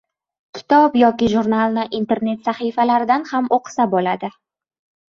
Kitob yoki jurnalni Internet sahifalaridan ham o‘qisa bo‘ladi.